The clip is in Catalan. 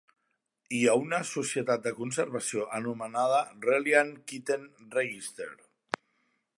Hi ha una "societat de conservació" anomenada Reliant Kitten Register.